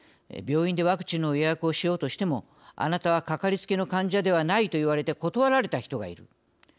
「病院でワクチンの予約をしようとしてもあなたはかかりつけの患者ではないと言われて断られた人がいる」。